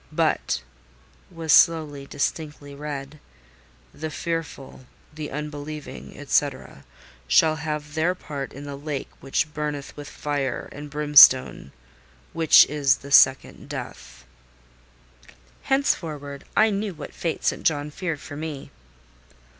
But," was slowly, distinctly read, "the fearful, the unbelieving, &c., shall have their part in the lake which burneth with fire and brimstone, which is the second death." Henceforward, I knew what fate St. John feared for me.